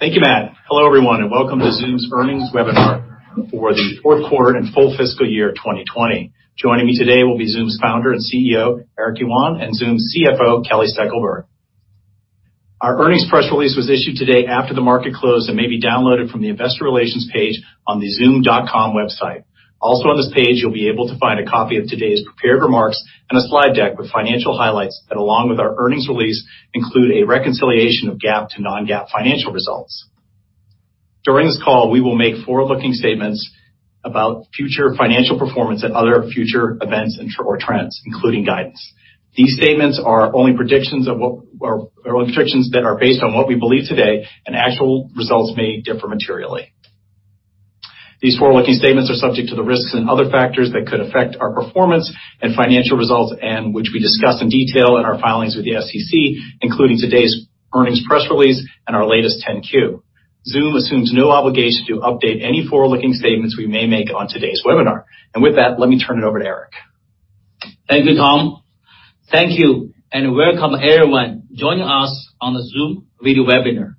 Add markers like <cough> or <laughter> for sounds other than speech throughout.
Thank you, Matt. Hello, everyone, and welcome to Zoom's earnings webinar for the fourth quarter and full fiscal year 2020. Joining me today will be Zoom's founder and CEO, Eric Yuan, and Zoom's CFO, Kelly Steckelberg. Our earnings press release was issued today after the market closed and may be downloaded from the Investor Relations page on the zoom.com website. Also on this page, you'll be able to find a copy of today's prepared remarks and a slide deck with financial highlights that, along with our earnings release, include a reconciliation of GAAP to non-GAAP financial results. During this call, we will make forward-looking statements about future financial performance and other future events or trends, including guidance. These statements are only predictions that are based on what we believe today, and actual results may differ materially. These forward-looking statements are subject to the risks and other factors that could affect our performance and financial results, and which we discuss in detail in our filings with the SEC, including today's earnings press release and our latest 10-Q. Zoom assumes no obligation to update any forward-looking statements we may make on today's webinar. With that, let me turn it over to Eric. Thank you, Tom. Thank you and welcome everyone joining us on the Zoom video webinar.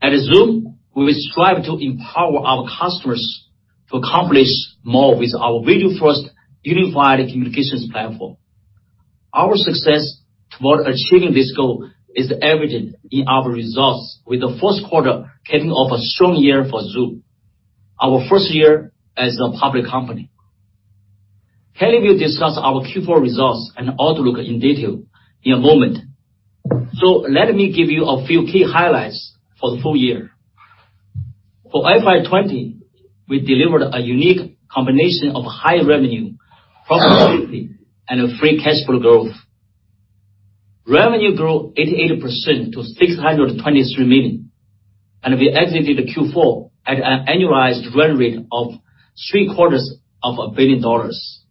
At Zoom, we strive to empower our customers to accomplish more with our video-first unified communications platform. Our success toward achieving this goal is evident in our results, with the fourth quarter capping off a strong year for Zoom, our first year as a public company. Kelly will discuss our Q4 results and outlook in detail in a moment. So let me give you a few key highlights for the full year. For FY 2020, we delivered a unique combination of high revenue, profitability, and free cash flow growth. Revenue grew 88% to $623 million, and we exited Q4 at an annualized run rate of three quarters of a billion dollars.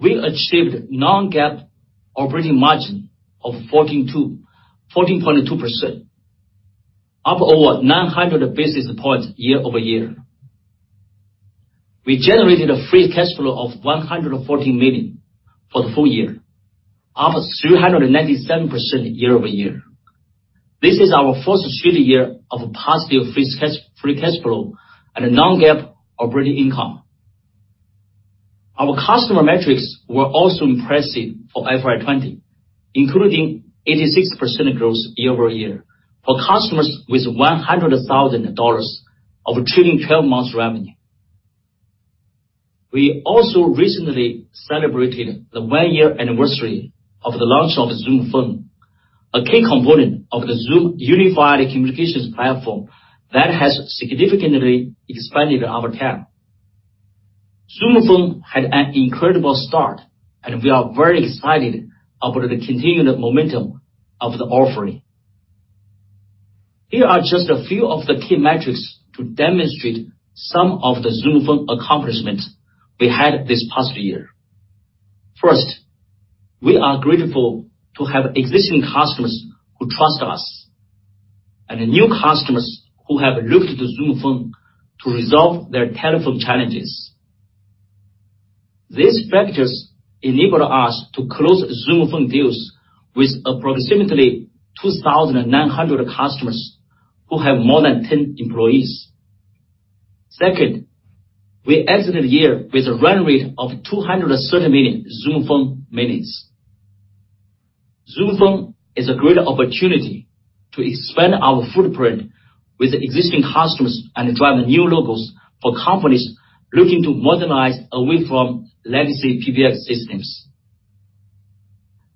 We achieved non-GAAP operating margin of 14.2%, up over 900 basis points year-over-year. We generated a free cash flow of $114 million for the full year, up 397% year-over-year. This is our first full year of positive free cash flow and non-GAAP operating income. Our customer metrics were also impressive for FY 2020, including 86% growth year-over-year for customers with $100,000 of trailing 12 months revenue. We also recently celebrated the one-year anniversary of the launch of Zoom Phone, a key component of the Zoom unified communications platform that has significantly expanded our TAM. Zoom Phone had an incredible start, we are very excited about the continued momentum of the offering. Here are just a few of the key metrics to demonstrate some of the Zoom Phone accomplishments we had this past year. First, we are grateful to have existing customers who trust us and new customers who have looked to Zoom Phone to resolve their telephone challenges. These factors enabled us to close Zoom Phone deals with approximately 2,900 customers who have more than 10 employees. Second, we exited the year with a run rate of 230 million Zoom Phone minutes. Zoom Phone is a great opportunity to expand our footprint with existing customers and drive new logos for companies looking to modernize away from legacy PBX systems.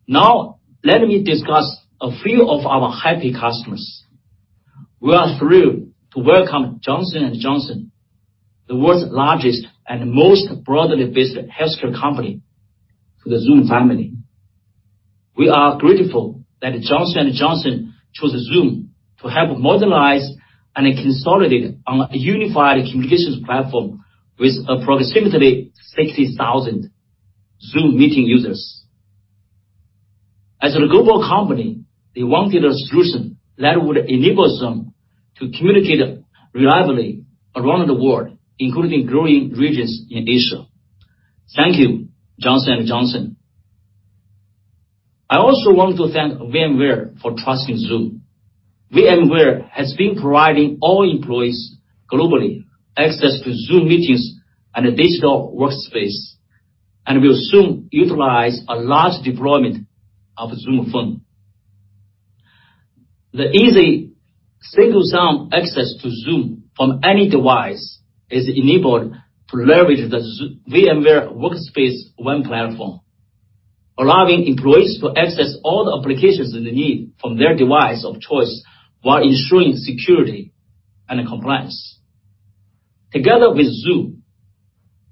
Now, let me discuss a few of our happy customers. We are thrilled to welcome Johnson & Johnson, the world's largest and most broadly based healthcare company, to the Zoom family. We are grateful that Johnson & Johnson chose Zoom to help modernize and consolidate on a unified communications platform with approximately 60,000 Zoom meeting users. As a global company, they wanted a solution that would enable them to communicate reliably around the world, including growing regions in Asia. Thank you, Johnson & Johnson. I also want to thank VMware for trusting Zoom. VMware has been providing all employees globally access to Zoom Meetings and digital workspace, and will soon utilize a large deployment of Zoom Phone. The easy single sign access to Zoom from any device is enabled to leverage the VMware Workspace ONE platform, allowing employees to access all the applications they need from their device of choice while ensuring security and compliance. Together with Zoom,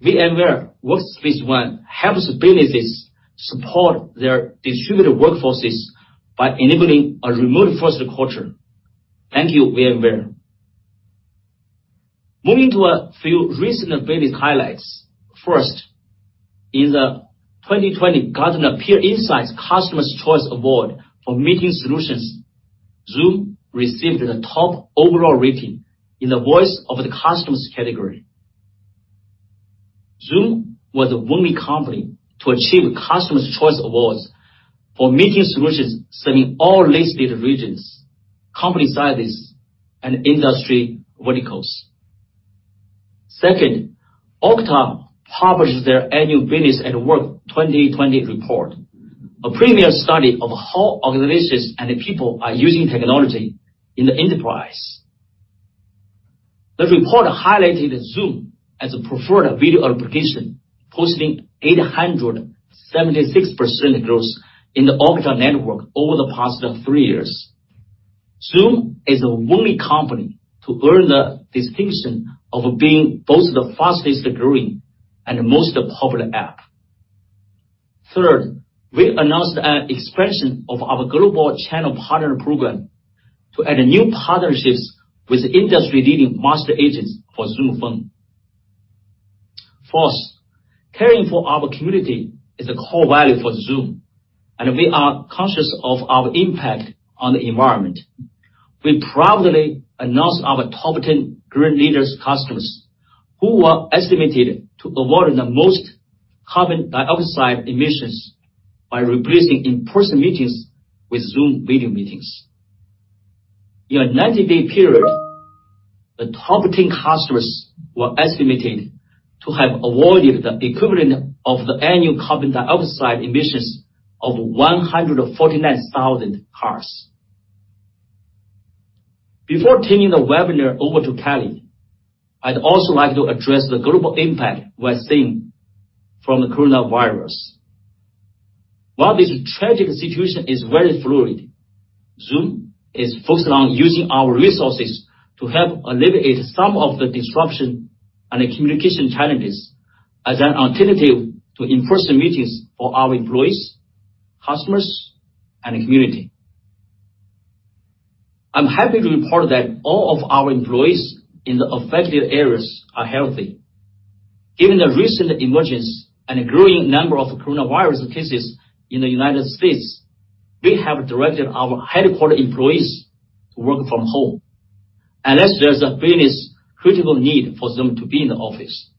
VMware Workspace ONE helps businesses support their distributed workforces by enabling a remote first culture. Thank you, VMware. Moving to a few recent business highlights. First is the 2020 Gartner Peer Insights Customers' Choice Award for Meeting Solutions. Zoom received the top overall rating in the voice of the customers category. Zoom was the only company to achieve Customers' Choice Awards for meeting solutions serving all listed regions, company sizes, and industry verticals. Second, Okta published their annual Business at Work 2020 report, a premier study of how organizations and people are using technology in the enterprise. The report highlighted Zoom as a preferred video application, posting 876% growth in the Okta network over the past three years. Zoom is the only company to earn the distinction of being both the fastest-growing and most popular app. Third, we announced an expansion of our global channel partner program to add new partnerships with industry-leading master agents for Zoom Phone. Fourth, caring for our community is a core value for Zoom, and we are conscious of our impact on the environment. We proudly announced our top 10 green leaders customers, who were estimated to avoid the most carbon dioxide emissions by replacing in-person meetings with Zoom video meetings. In a 90-day period, the top 10 customers were estimated to have avoided the equivalent of the annual carbon dioxide emissions of 149,000 cars. Before turning the webinar over to Kelly, I'd also like to address the global impact we're seeing from the coronavirus. While this tragic situation is very fluid, Zoom is focused on using our resources to help alleviate some of the disruption and communication challenges as an alternative to in-person meetings for our employees, customers, and community. I'm happy to report that all of our employees in the affected areas are healthy. Given the recent emergence and growing number of coronavirus cases in the U.S., we have directed our headquarters employees to work from home unless there's a business-critical need for them to be in the office.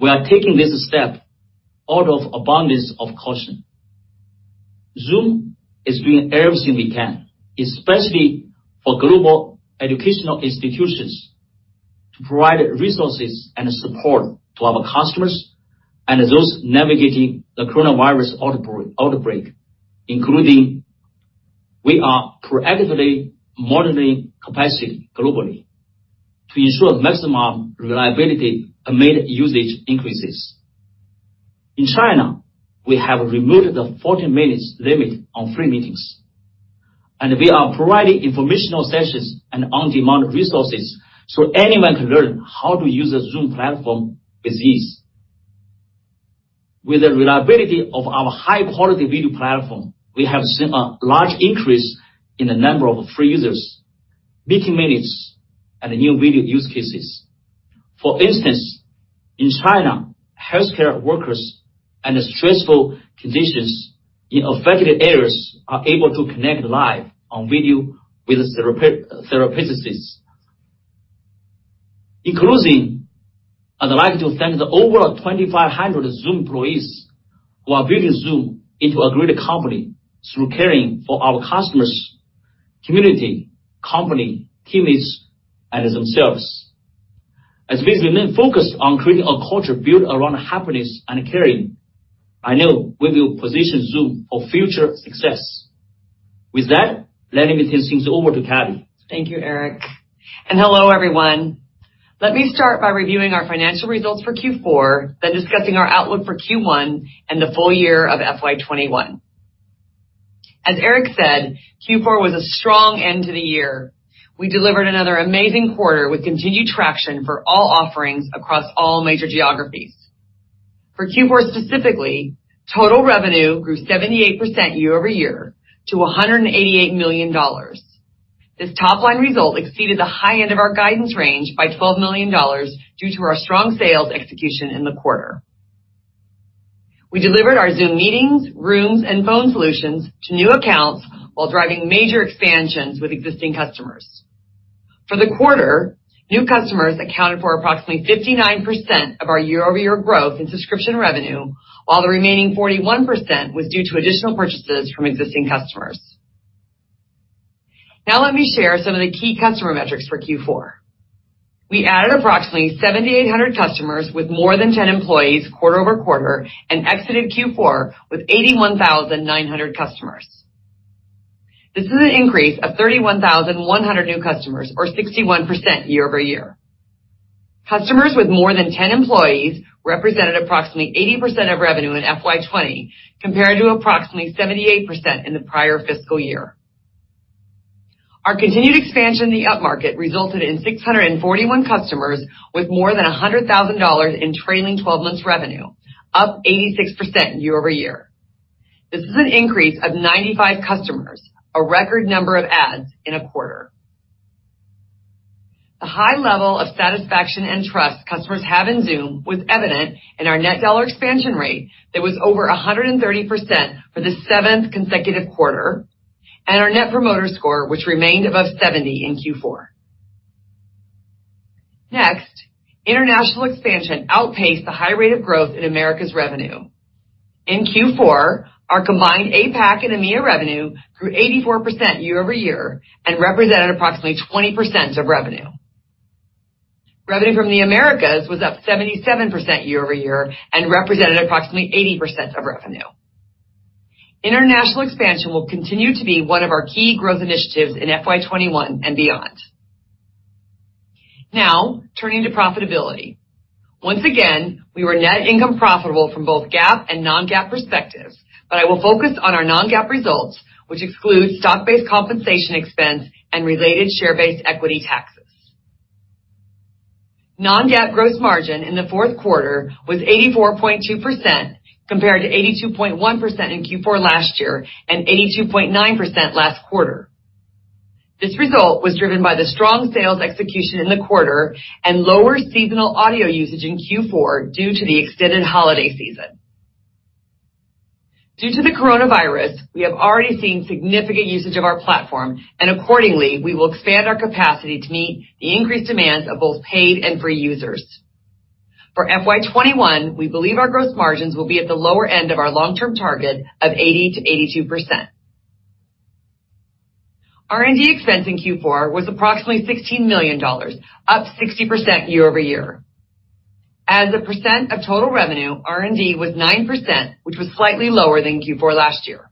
We are taking this step out of abundance of caution. Zoom is doing everything we can, especially for global educational institutions, to provide resources and support to our customers and those navigating the coronavirus outbreak, including we are proactively monitoring capacity globally to ensure maximum reliability amid usage increases. In China, we have removed the 40 minutes limit on free meetings, and we are providing informational sessions and on-demand resources so anyone can learn how to use the Zoom platform with ease. With the reliability of our high-quality video platform, we have seen a large increase in the number of free users, meeting minutes, and new video use cases. For instance, in China, healthcare workers under stressful conditions in affected areas are able to connect live on video with therapists. In closing, I'd like to thank the over 2,500 Zoom employees who are building Zoom into a great company through caring for our customers, community, company, teammates, and themselves. As we remain focused on creating a culture built around happiness and caring, I know we will position Zoom for future success. With that, let me turn things over to Kelly. Thank you, Eric, and hello, everyone. Let me start by reviewing our financial results for Q4, then discussing our outlook for Q1 and the full year of FY 2021. As Eric said, Q4 was a strong end to the year. We delivered another amazing quarter with continued traction for all offerings across all major geographies. For Q4 specifically, total revenue grew 78% year-over-year to $188 million. This top-line result exceeded the high end of our guidance range by $12 million due to our strong sales execution in the quarter. We delivered our Zoom Meetings, Zoom Rooms, and Zoom Phone solutions to new accounts while driving major expansions with existing customers. For the quarter, new customers accounted for approximately 59% of our year-over-year growth in subscription revenue, while the remaining 41% was due to additional purchases from existing customers. Now let me share some of the key customer metrics for Q4. We added approximately 7,800 customers with more than 10 employees quarter-over-quarter and exited Q4 with 81,900 customers. This is an increase of 31,100 new customers or 61% year-over-year. Customers with more than 10 employees represented approximately 80% of revenue in FY 2020, compared to approximately 78% in the prior fiscal year. Our continued expansion in the upmarket resulted in 641 customers with more than $100,000 in trailing 12 months revenue, up 86% year-over-year. This is an increase of 95 customers, a record number of adds in a quarter. The high level of satisfaction and trust customers have in Zoom was evident in our net dollar expansion rate that was over 130% for the seventh consecutive quarter. Our net promoter score, which remained above 70 in Q4. Next, international expansion outpaced the high rate of growth in Americas revenue. In Q4, our combined APAC and EMEA revenue grew 84% year-over-year and represented approximately 20% of revenue. Revenue from the Americas was up 77% year-over-year and represented approximately 80% of revenue. International expansion will continue to be one of our key growth initiatives in FY 2021 and beyond. Now, turning to profitability. Once again, we were net income profitable from both GAAP and non-GAAP perspectives, but I will focus on our non-GAAP results, which excludes stock-based compensation expense and related share-based equity taxes. Non-GAAP gross margin in the fourth quarter was 84.2%, compared to 82.1% in Q4 last year and 82.9% last quarter. This result was driven by the strong sales execution in the quarter and lower seasonal audio usage in Q4 due to the extended holiday season. Due to the coronavirus, we have already seen significant usage of our platform. Accordingly, we will expand our capacity to meet the increased demands of both paid and free users. For FY 2021, we believe our gross margins will be at the lower end of our long-term target of 80%-82%. R&D expense in Q4 was approximately $16 million, up 60% year-over-year. As a percent of total revenue, R&D was 9%, which was slightly lower than Q4 last year.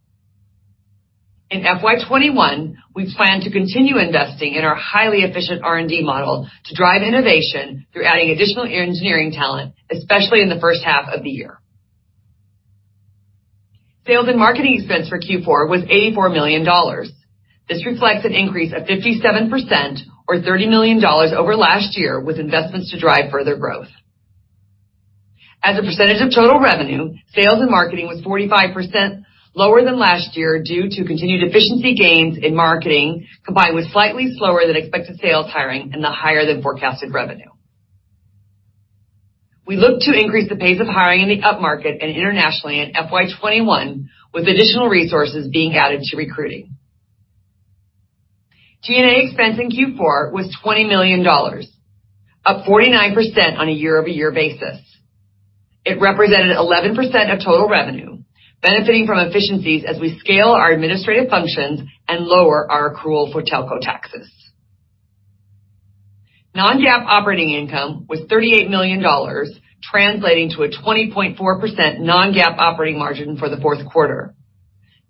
In FY 2021, we plan to continue investing in our highly efficient R&D model to drive innovation through adding additional engineering talent, especially in the first half of the year. Sales and marketing expense for Q4 was $84 million. This reflects an increase of 57%, or $30 million over last year, with investments to drive further growth. As a percentage of total revenue, sales and marketing was 45% lower than last year due to continued efficiency gains in marketing, combined with slightly slower than expected sales hiring and the higher than forecasted revenue. We look to increase the pace of hiring in the upmarket and internationally in FY 2021, with additional resources being added to recruiting. G&A expense in Q4 was $20 million, up 49% on a year-over-year basis. It represented 11% of total revenue, benefiting from efficiencies as we scale our administrative functions and lower our accrual for telco taxes. non-GAAP operating income was $38 million, translating to a 20.4% non-GAAP operating margin for the fourth quarter.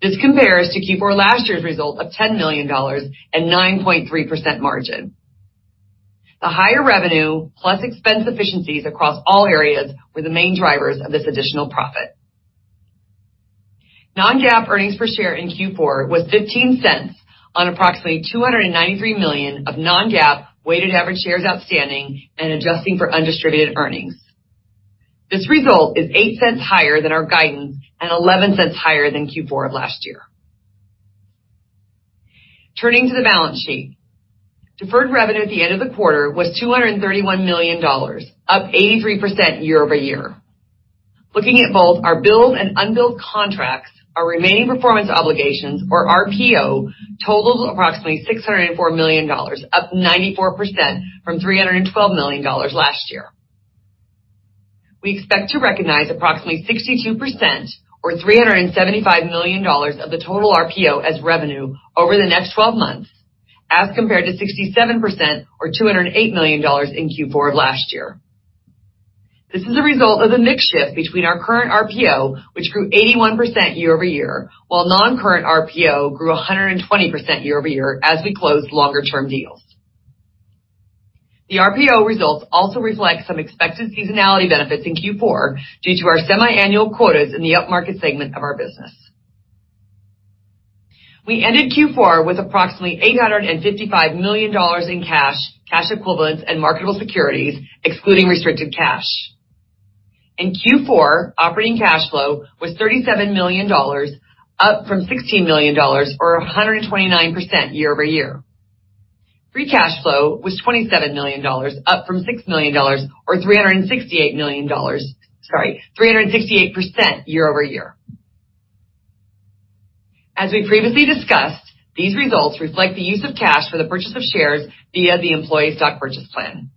This compares to Q4 last year's result of $10 million and 9.3% margin. The higher revenue, plus expense efficiencies across all areas, were the main drivers of this additional profit. Non-GAAP earnings per share in Q4 was $0.15 on approximately 293 million of non-GAAP weighted average shares outstanding and adjusting for undistributed earnings. This result is $0.08 higher than our guidance and $0.11 higher than Q4 of last year. Turning to the balance sheet. Deferred revenue at the end of the quarter was $231 million, up 83% year-over-year. Looking at both our billed and unbilled contracts, our remaining performance obligations, or RPO, totals approximately $604 million, up 94% from $312 million last year. We expect to recognize approximately 62%, or $375 million of the total RPO as revenue over the next 12 months, as compared to 67%, or $208 million in Q4 of last year. This is a result of a mix shift between our current RPO, which grew 81% year-over-year, while non-current RPO grew 120% year-over-year as we closed longer term deals. The RPO results also reflect some expected seasonality benefits in Q4 due to our semi-annual quotas in the upmarket segment of our business. We ended Q4 with approximately $855 million in cash equivalents, and marketable securities excluding restricted cash. In Q4, operating cash flow was $37 million, up from $16 million, or 129% year-over-year. Free cash flow was $27 million, up from $6 million, or 368% year-over-year. As we previously discussed, these results reflect the use of cash for the purchase of shares via the employee stock purchase plan.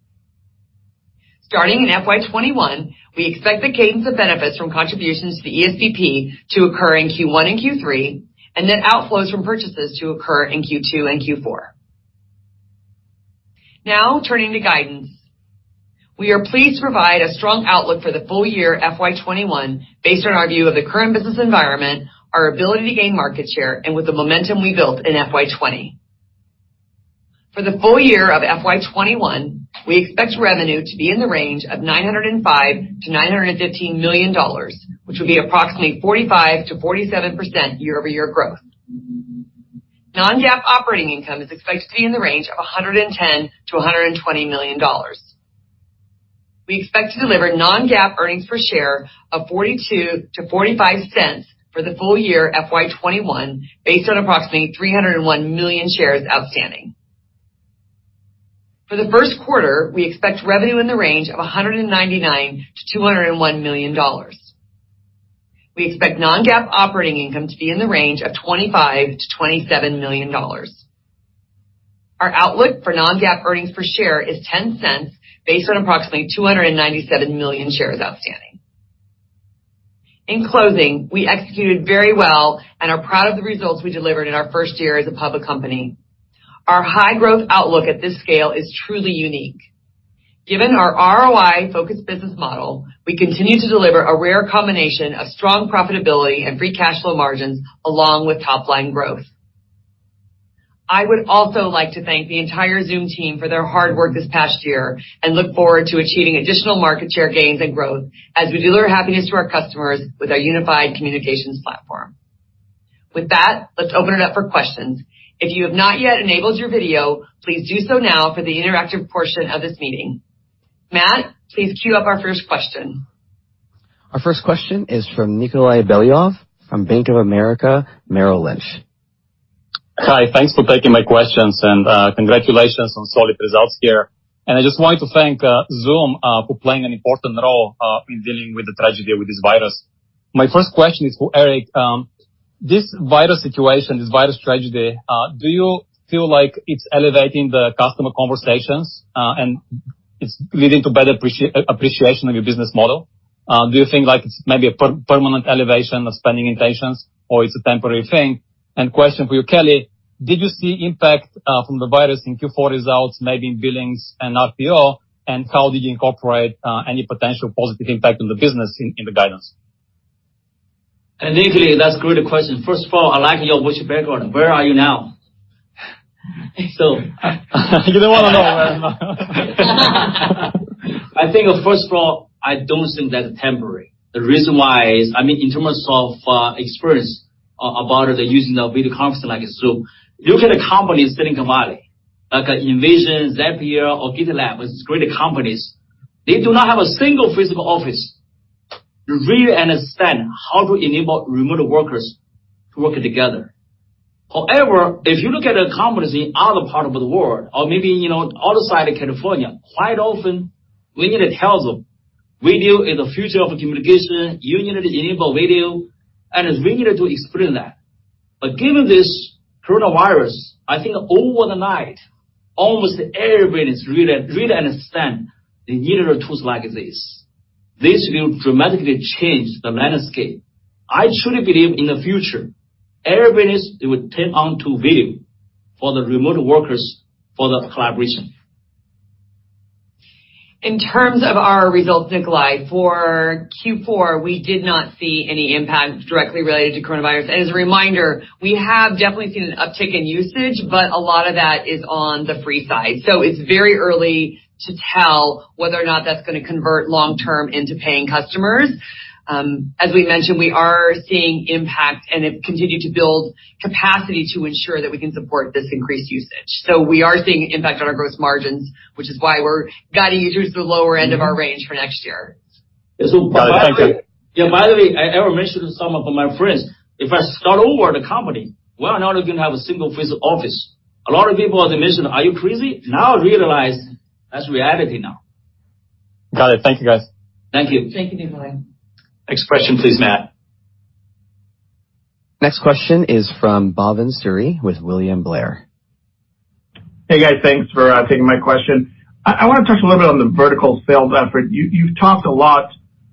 Starting in FY 2021, we expect the cadence of benefits from contributions to the ESPP to occur in Q1 and Q3, and then outflows from purchases to occur in Q2 and Q4. Turning to guidance. We are pleased to provide a strong outlook for the full year FY 2021 based on our view of the current business environment, our ability to gain market share, and with the momentum we built in FY 2020. For the full year of FY 2021, we expect revenue to be in the range of $905 million-$915 million, which would be approximately 45%-47% year-over-year growth. Non-GAAP operating income is expected to be in the range of $110 million-$120 million. We expect to deliver non-GAAP earnings per share of $0.42-$0.45 for the full year FY 2021, based on approximately 301 million shares outstanding. For the first quarter, we expect revenue in the range of $199 million-$201 million. We expect non-GAAP operating income to be in the range of $25 million-$27 million. Our outlook for non-GAAP earnings per share is $0.10 based on approximately 297 million shares outstanding. In closing, we executed very well and are proud of the results we delivered in our first year as a public company. Our high growth outlook at this scale is truly unique. Given our ROI-focused business model, we continue to deliver a rare combination of strong profitability and free cash flow margins along with top-line growth. I would also like to thank the entire Zoom team for their hard work this past year and look forward to achieving additional market share gains and growth as we deliver happiness to our customers with our unified communications platform. With that, let's open it up for questions. If you have not yet enabled your video, please do so now for the interactive portion of this meeting. Matt, please queue up our first question. Our first question is from Nikolay Beliov from Bank of America, Merrill Lynch. Hi. Thanks for taking my questions, congratulations on solid results here. I just wanted to thank Zoom for playing an important role in dealing with the tragedy with this virus. My first question is for Eric. This virus situation, this virus tragedy, do you feel like it's elevating the customer conversations, and it's leading to better appreciation of your business model? Do you think it's maybe a permanent elevation of spending intentions, or it's a temporary thing? Question for you, Kelly. Did you see impact from the virus in Q4 results, maybe in billings and RPO? How did you incorporate any potential positive impact on the business in the guidance? Nikolay, that's a great question. First of all, I like your working background. Where are you now? You don't want to know where I am. I think first of all, I don't think that's temporary. The reason why is, in terms of experience about using the video conference like Zoom, look at a company sitting in Valley, like InVision, Zapier or GitLab, which is great companies. They do not have a single physical office to really understand how to enable remote workers to work together. If you look at the companies in other parts of the world or maybe other side of California, quite often we need to tell them video is the future of communication. You need to enable video, and we need to explain that. Given this coronavirus, I think overnight, almost every business really understand they need tools like this. This will dramatically change the landscape. I truly believe in the future, every business they will take onto video for the remote workers for the collaboration. In terms of our results, Nikolay, for Q4, we did not see any impact directly related to coronavirus. As a reminder, we have definitely seen an uptick in usage, but a lot of that is on the free side. It's very early to tell whether or not that's going to convert long-term into paying customers. As we mentioned, we are seeing impact and have continued to build capacity to ensure that we can support this increased usage. We are seeing impact on our gross margins, which is why we're guiding you to the lower end of our range for next year. Yeah, by the way, I already mentioned to some of my friends, if I start over the company, we're not even going to have a single physical office. A lot of people they mentioned, are you crazy? Now I realize that's reality now. Got it. Thank you, guys. Thank you. Thank you, Nikolay. Next question please, Matt. Next question is from Bhavin Suri with William Blair. Hey, guys. Thanks for taking my question. I want to touch a little bit on the vertical sales effort. You've talked a lot,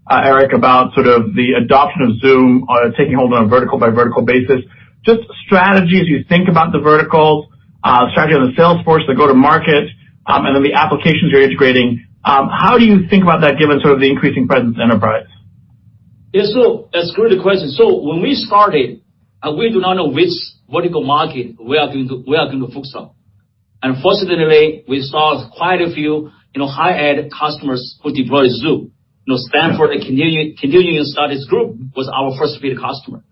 Eric, about sort of the adoption of Zoom, taking hold on a vertical-by-vertical basis. Just strategies you think about the verticals, strategy on the sales force, the go to market, and then the applications you're integrating, how do you think about that given sort of the increasing presence enterprise? That's a great question. When we started, we do not know which vertical market we are going to focus on. Fortunately, we saw quite a few high ed customers who deployed Zoom. Stanford Continuing Studies Group was our first paid customer.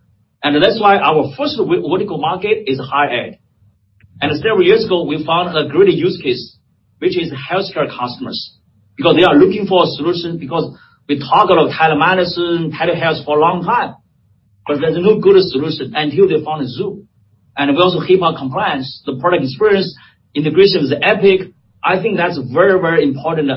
That's why our first vertical market is high ed. Several years ago, we found a great use case, which is healthcare customers because they are looking for a solution, because we talk about telemedicine for a long time. There's no good solution until they found Zoom. We also HIPAA compliance, the product experience, integration with Epic. I think that's very important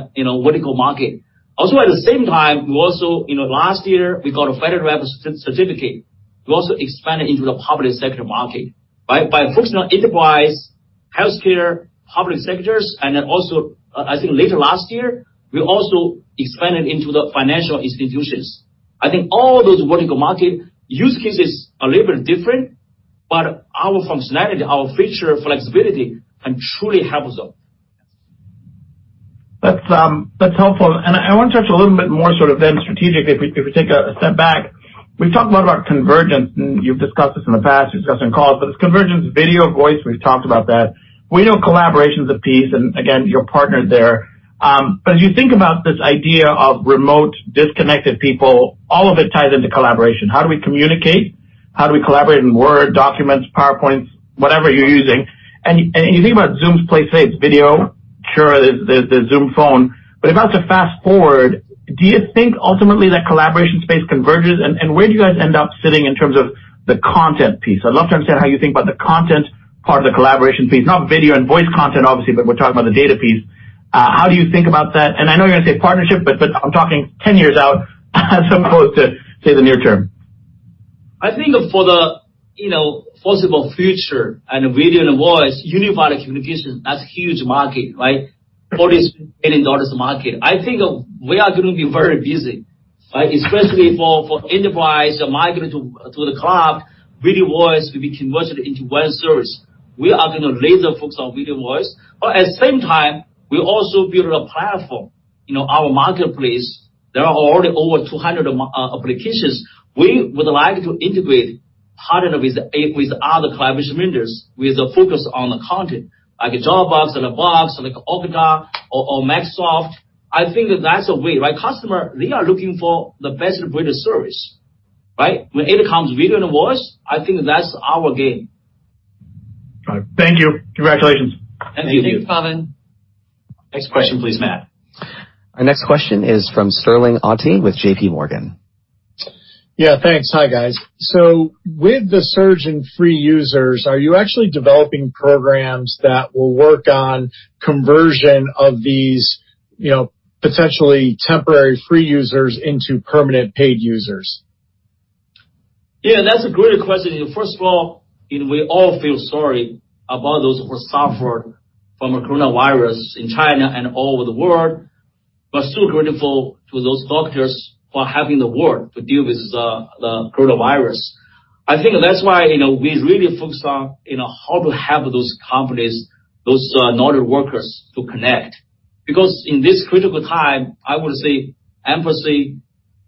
vertical market. Also at the same time, last year we got a FedRAMP certificate. We also expanded into the public sector market by focusing on enterprise, healthcare, public sectors, also, I think later last year, we also expanded into the financial institutions. I think all those vertical market use cases are a little bit different, our functionality, our feature flexibility can truly help them. That's helpful. I want to touch a little bit more sort of then strategic if we take a step back. We've talked a lot about convergence, and you've discussed this in the past, you've discussed on calls, but it's convergence video, voice, we've talked about that. We know collaboration's a piece, and again, you're partnered there. As you think about this idea of remote disconnected people, all of it ties into collaboration. How do we communicate? How do we collaborate in Word documents, PowerPoints, whatever you're using? You think about Zoom's place, say it's video. Sure, there's Zoom Phone. If I was to fast-forward, do you think ultimately that collaboration space converges? Where do you guys end up sitting in terms of the content piece? I'd love to understand how you think about the content part of the collaboration piece, not video and voice content, obviously, but we're talking about the data piece. How do you think about that? I know you're going to say partnership, but I'm talking 10 years out. Somehow to say the near term. I think for the foreseeable future in video and voice, unified communications, that's a huge market, right? $47 billion market. I think we are going to be very busy, right? Especially for enterprise migrating to the cloud, video, voice will be converted into one service. We are going to laser-focus on video and voice. At the same time, we also build a platform. Our marketplace, there are already over 200 applications. We would like to integrate harder with other collaboration vendors, with a focus on the content, like a Dropbox, and a Box, like Okta or Microsoft. I think that's a way, right? Customer, they are looking for the best way to service, right? When it comes video and voice, I think that's our game. All right. Thank you. Congratulations. Thank you. Thank you, Donovan. Next question, please, Matt. Our next question is from Sterling Auty with JPMorgan. Yeah, thanks. Hi, guys. With the surge in free users, are you actually developing programs that will work on conversion of these potentially temporary free users into permanent paid users? Yeah, that's a great question. First of all, we all feel sorry about those who have suffered from the coronavirus in China and all over the world, but still grateful to those doctors for helping the world to deal with the coronavirus. I think that's why we really focus on how to help those companies, those knowledge workers to connect. In this critical time, I would say empathy,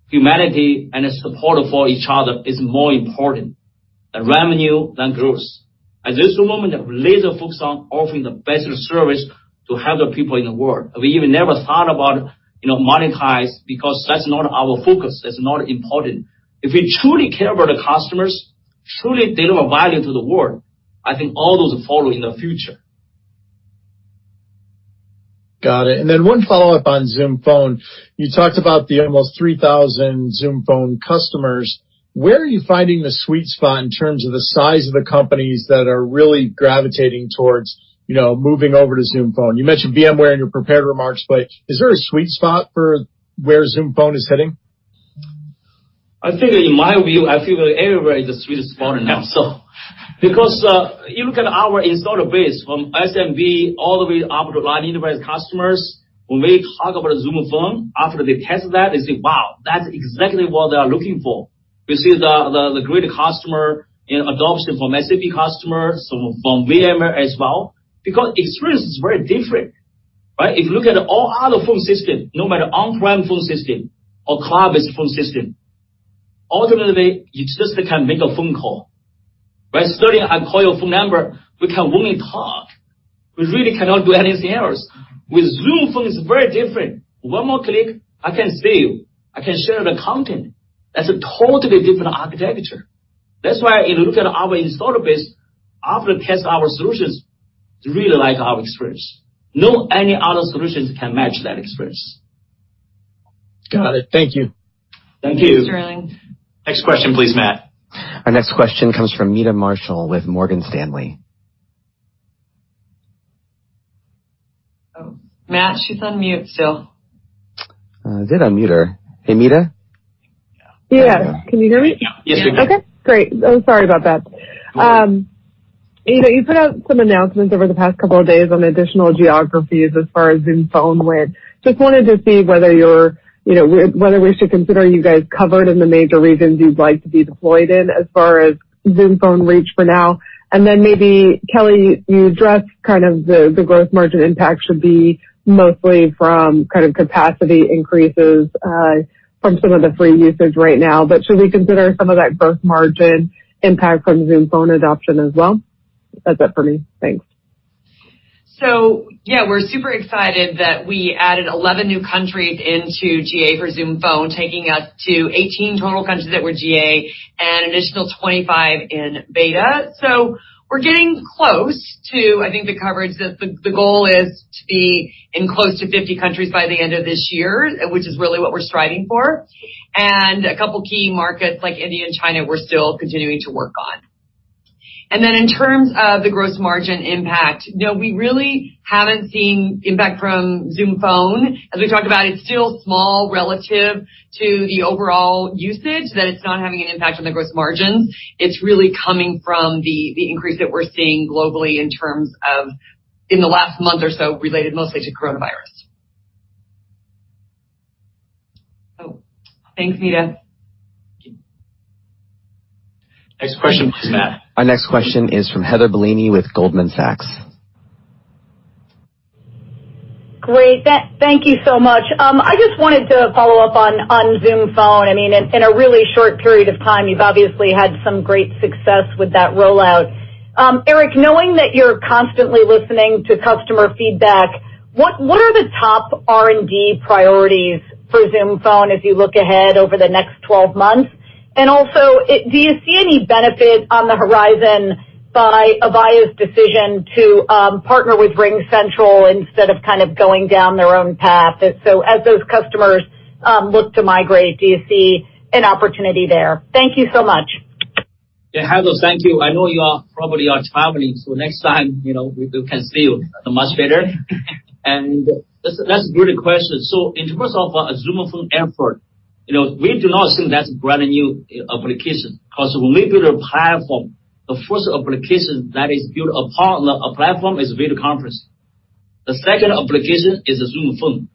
humanity, and support for each other is more important than revenue, than growth. At this moment, we laser focus on offering the best service to help the people in the world. We even never thought about monetize because that's not our focus. That's not important. If we truly care about the customers, truly deliver value to the world, I think all those follow in the future. Got it. One follow-up on Zoom Phone. You talked about the almost 3,000 Zoom Phone customers. Where are you finding the sweet spot in terms of the size of the companies that are really gravitating towards moving over to Zoom Phone? You mentioned VMware in your prepared remarks, is there a sweet spot for where Zoom Phone is heading? I think in my view, I feel that everybody is the sweetest spot now. Because you look at our install base from SMB all the way up to large enterprise customers, when we talk about Zoom Phone, after they test that, they say, wow, that's exactly what they are looking for. We see the great customer adoption from SAP customers, from VMware as well. Because experience is very different, right? If you look at all other phone system, no matter on-prem phone system or cloud-based phone system, ultimately, you just can make a phone call, right? Sterling, I call your phone number, we can only talk. We really cannot do anything else. With Zoom Phone, it's very different. One more click, I can see you. I can share the content. That's a totally different architecture. That's why if you look at our install base, after they test our solutions, they really like our experience. No any other solutions can match that experience. Got it. Thank you. Thank you. Thanks, Sterling. Next question, please, Matt. Our next question comes from Meta Marshall with Morgan Stanley. Oh, Matt, she's on mute still. I did unmute her. Hey, Meta? Yeah. Can you hear me? Yeah. Yes, we can. Okay, great. Sorry about that. You put out some announcements over the past couple of days on additional geographies as far as Zoom Phone went. Just wanted to see whether we should consider you guys covered in the major regions you'd like to be deployed in as far as Zoom Phone reach for now. Maybe, Kelly, you addressed the gross margin impact should be mostly from capacity increases from some of the free usage right now. Should we consider some of that gross margin impact from Zoom Phone adoption as well? That's it for me. Thanks. Yeah, we're super excited that we added 11 new countries into G&A for Zoom Phone, taking us to 18 total countries that were G&A and additional 25 in beta. We're getting close to, I think, the coverage that the goal is to be in close to 50 countries by the end of this year, which is really what we're striving for. A couple key markets like India and China, we're still continuing to work on. In terms of the gross margin impact, no, we really haven't seen impact from Zoom Phone. As we talked about, it's still small relative to the overall usage that it's not having an impact on the gross margins. It's really coming from the increase that we're seeing globally in terms of in the last month or so, related mostly to coronavirus. Thanks, Meta. Next question, please, Matt. Our next question is from Heather Bellini with Goldman Sachs. Great. Thank you so much. I just wanted to follow up on Zoom Phone. In a really short period of time, you've obviously had some great success with that rollout. Eric, knowing that you're constantly listening to customer feedback, what are the top R&D priorities for Zoom Phone as you look ahead over the next 12 months? Do you see any benefit on the horizon by Avaya's decision to partner with RingCentral instead of going down their own path? As those customers look to migrate, do you see an opportunity there? Thank you so much. Yeah, Heather, thank you. I know you probably are traveling, next time, we can see you much better. That's a really good question. In terms of Zoom Phone effort, we do not think that's a brand-new application. Because when we built a platform, the first application that is built upon the platform is video conference. The second application is Zoom Phone.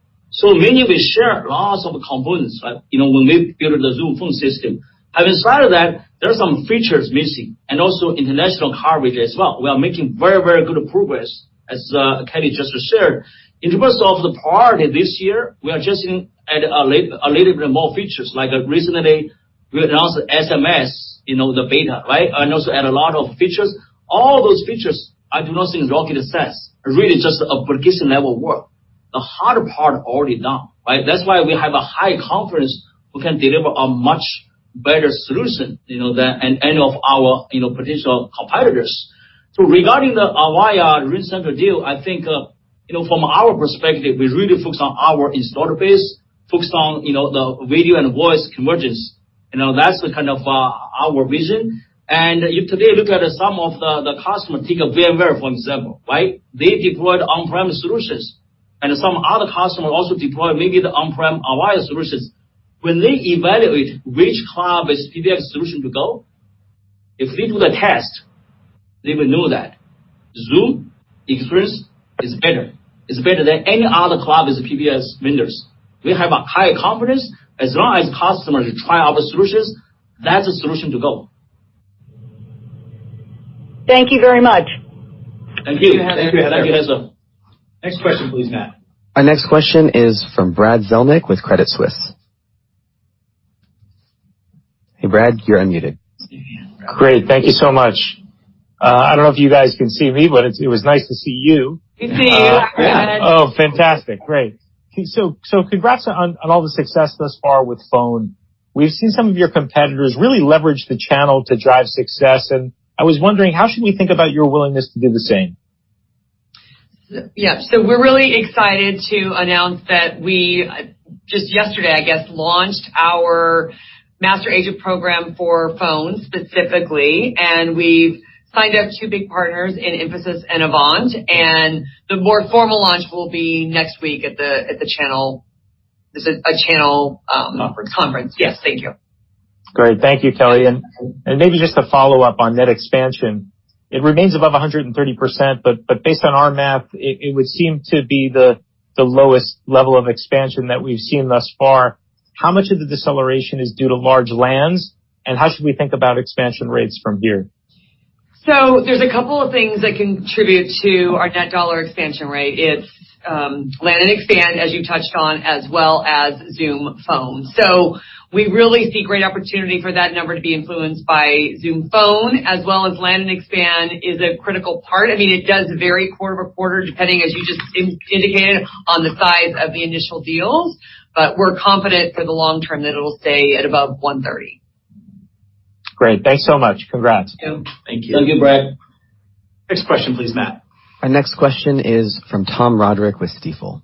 Many, we share lots of components, when we built the Zoom Phone system. Having said that, there are some features missing, and also international coverage as well. We are making very good progress, as Kelly just shared. In terms of the priority this year, we are just adding a little bit more features. Like recently, we announced SMS, the beta. Right? Also add a lot of features. All those features, I do not think rocket science. Really just application level work. The hard part already done. Right? That's why we have a high confidence we can deliver a much better solution than any of our potential competitors. Regarding the Avaya or RingCentral deal, I think, from our perspective, we really focus on our installer base, focus on the video and voice convergence. That's kind of our vision. If today look at some of the customer, take VMware, for example, right? They deployed on-premise solutions, and some other customer also deployed maybe the on-prem Avaya solutions. When they evaluate which cloud-based PBX solution to go, if they do the test, they will know that Zoom experience is better than any other cloud-based PBX vendors. We have a high confidence as long as customers try our solutions, that's the solution to go. Thank you very much. Thank you. Thank you, Heather. Thank you, Heather. Next question, please, Matt. Our next question is from Brad Zelnick with Credit Suisse. Hey, Brad, you're unmuted. Great. Thank you so much. I don't know if you guys can see me, it was nice to see you. We see you. Yeah. <crosstalk> Oh, fantastic. Great. Congrats on all the success thus far with Phone. We've seen some of your competitors really leverage the channel to drive success, and I was wondering how should we think about your willingness to do the same? Yeah. We're really excited to announce that we just yesterday, I guess, launched our master agent program for Phone specifically, and we've signed up two big partners in [Emphasys] and Avant, and the more formal launch will be next week. Conference. Conference. Yes. Thank you. Great. Thank you, Kelly, and maybe just to follow up on net expansion. It remains above 130%, but based on our math, it would seem to be the lowest level of expansion that we've seen thus far. How much of the deceleration is due to large lands, and how should we think about expansion rates from here? there's a couple of things that contribute to our net dollar expansion rate. It's land and expand, as you touched on, as well as Zoom Phone. we really see great opportunity for that number to be influenced by Zoom Phone as well as land and expand is a critical part. It does vary quarter to quarter, depending, as you just indicated, on the size of the initial deals. we're confident for the long term that it'll stay at above 130. Great. Thanks so much. Congrats. Yep. Thank you. Thank you, Brad. Next question, please, Matt. Our next question is from Tom Roderick with Stifel.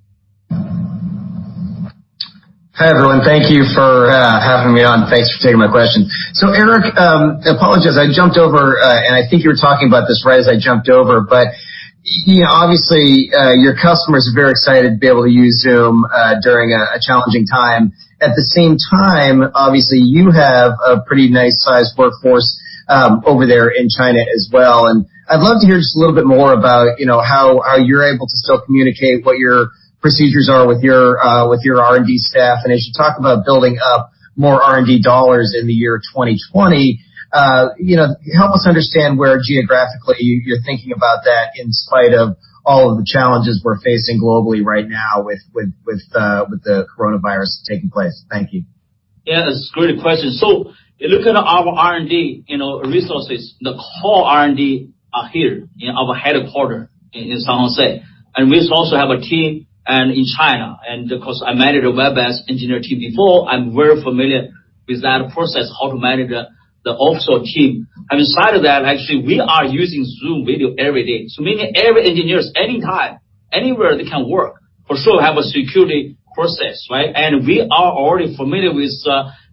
Hi, everyone. Thank you for having me on. Thanks for taking my question. Eric, apologies, I jumped over, and I think you were talking about this right as I jumped over, but obviously, your customers are very excited to be able to use Zoom during a challenging time. At the same time, obviously, you have a pretty nice sized workforce over there in China as well, and I'd love to hear just a little bit more about how you're able to still communicate what your procedures are with your R&D staff. As you talk about building up more R&D dollars in the year 2020, help us understand where geographically you're thinking about that in spite of all of the challenges we're facing globally right now with the coronavirus taking place? Thank you. Yeah, it's a great question. If you look at our R&D resources, the core R&D are here in our headquarters in San Jose. We also have a team in China. Because I managed a web-based engineering team before, I'm very familiar with that process, how to manage the offshore team. Having said that, actually, we are using Zoom video every day. Many area engineers, anytime, anywhere they can work. For sure, we have a security process, right? We are already familiar with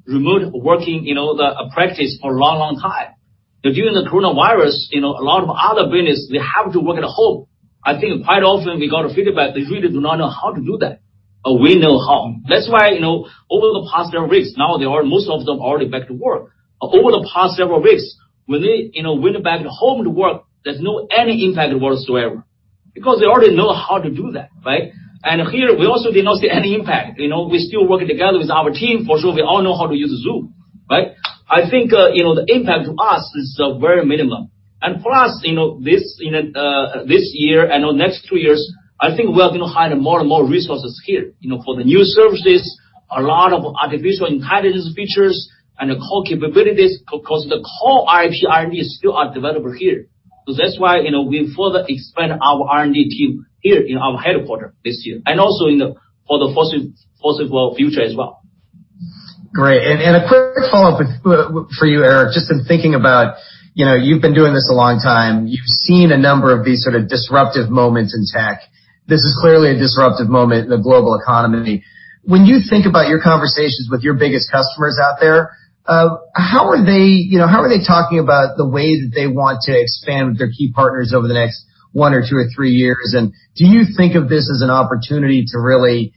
remote working, the practice for a long time. During the coronavirus, a lot of other businesses, they have to work at home. I think quite often we got a feedback they really do not know how to do that. We know how. That's why, over the past several weeks, now most of them are already back to work. Over the past several weeks, when they went back home to work, there's not any impact whatsoever because they already know how to do that. Right? Here, we also did not see any impact. We're still working together with our team. For sure, we all know how to use Zoom. Right? I think the impact to us is very minimum. Plus, this year and the next two years, I think we are going to hire more and more resources here for the new services, a lot of artificial intelligence features and the core capabilities because the core IP, R&D still are developed here. That's why we further expand our R&D team here in our headquarter this year and also for the foreseeable future as well. Great. A quick follow-up for you, Eric, just in thinking about, you've been doing this a long time. You've seen a number of these sort of disruptive moments in tech. This is clearly a disruptive moment in the global economy. When you think about your conversations with your biggest customers out there, how are they talking about the way that they want to expand with their key partners over the next one or two or three years? Do you think of this as an opportunity to really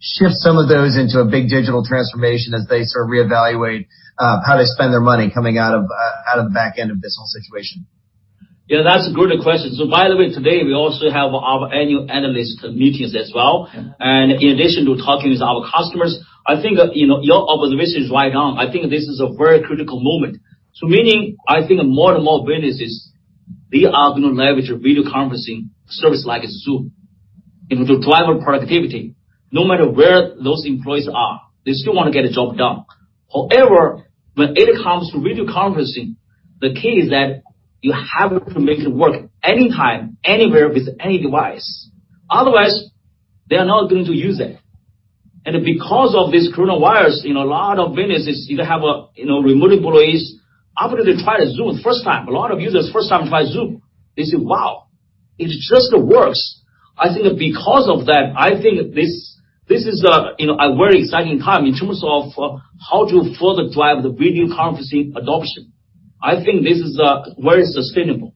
shift some of those into a big digital transformation as they reevaluate how they spend their money coming out of the back end of this whole situation? Yeah, that's a good question. By the way, today, we also have our annual analyst meetings as well. Okay. In addition to talking with our customers, your observation is right on. Meaning, I think more and more businesses, they are going to leverage video conferencing service like Zoom and to drive our productivity. No matter where those employees are, they still want to get the job done. However, when it comes to video conferencing, the key is that you have to make it work anytime, anywhere with any device. Otherwise, they are not going to use it. Because of this coronavirus, a lot of businesses either have remote employees. After they try Zoom first time, a lot of users first time try Zoom, they say, wow, it just works. Because of that, I think this is a very exciting time in terms of how to further drive the video conferencing adoption. I think this is very sustainable.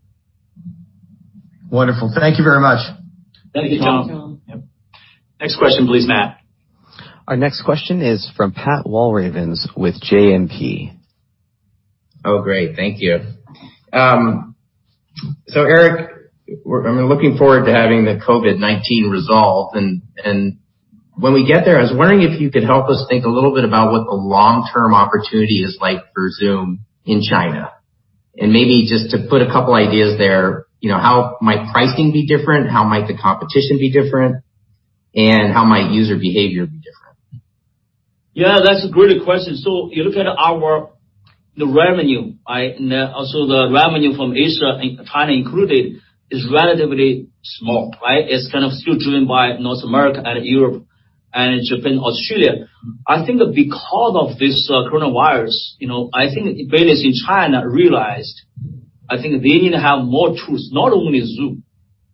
Wonderful. Thank you very much. Thank you, Tom. <crosstalk> Thank you, Tom. Yep. Next question, please, Matt. Our next question is from Pat Walravens with JMP. Oh, great. Thank you. Eric, I'm looking forward to having the COVID-19 resolve, and when we get there, I was wondering if you could help us think a little bit about what the long-term opportunity is like for Zoom in China. Maybe just to put a couple ideas there, how might pricing be different, how might the competition be different, and how might user behavior be different? Yeah, that's a great question. You look at the revenue, and also the revenue from Asia and China included, is relatively small, right? It's kind of still driven by North America and Europe, and Japan, Australia. I think because of this coronavirus, I think businesses in China realized they need to have more tools, not only Zoom,